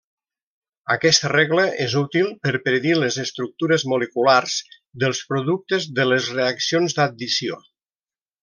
Aquesta regla és útil per predir les estructures moleculars dels productes de les reaccions d'addició.